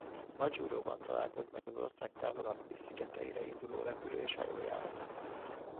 Majuroban találkoznak az ország távolabbi szigeteire induló repülő és hajójáratok.